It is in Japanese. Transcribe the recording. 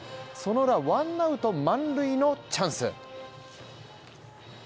そのウラ、ワンアウト、満塁のチャンス。